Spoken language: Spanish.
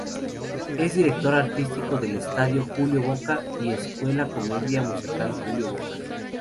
Es Director Artístico del Estudio Julio Bocca y Escuela de Comedia Musical Julio Bocca.